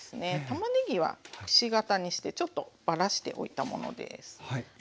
たまねぎはくし形にしてちょっとばらしておいたものです。